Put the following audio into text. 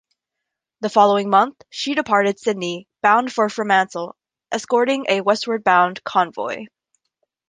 The following month she departed Sydney bound for Fremantle, escorting a westward-bound convoy.